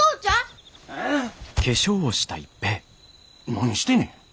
何してんねん。